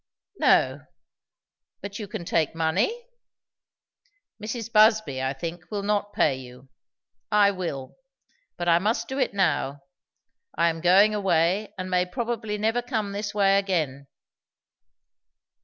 "No; but you can take money? Mrs. Busby, I think, will not pay you. I will. But I must do it now. I am going away, and may probably never come this way again."